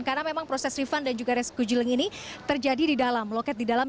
karena memang proses refund dan juga reskujuling ini terjadi di dalam loket di dalam